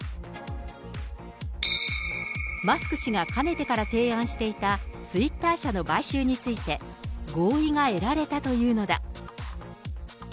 マスク氏がかねてから提案していたツイッター社の買収について、合意が得られたというのだ。